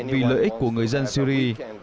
vì lợi ích của người dân syri